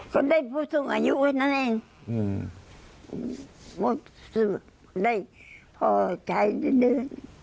ก็ได้พูดถึงอายุไว้นั่นเองหมดได้พอใช้ด้วย